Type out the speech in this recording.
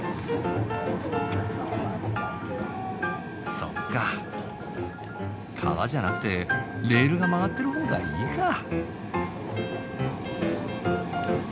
そっか川じゃなくてレールが曲がってる方がいいかあ。